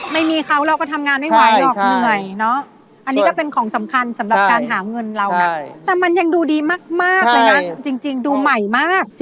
ไม่มีเขาเราก็ทำงานไม่ไหวหรอกเหนื่อยเนอะอันนี้ก็เป็นของสำคัญสำหรับการหาเงินเรานะแต่มันยังดูดีมากเลยนะจริงดูใหม่มาก